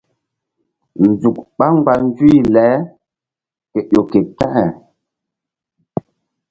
Nzuk ɓá mgba nzuyble ke ƴo ke kȩke.